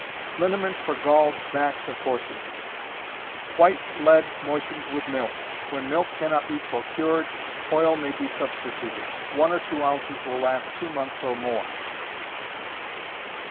Liniment for Galled Backs of Horses. White lead moistened with milk. When milk cannot be procured, oil may be substituted. One or two ounces will last two months or more.